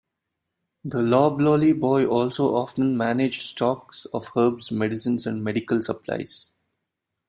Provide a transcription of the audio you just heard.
The loblolly boy also often managed stocks of herbs, medicines and medical supplies.